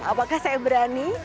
apakah saya berani